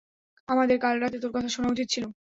আমাদের কাল রাতে তোর কথা শোনা উচিত ছিল।